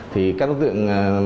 thì các đối tượng